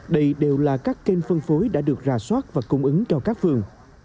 đây đều là các kênh phân phối đã được rà soát và cung ứng cho các phường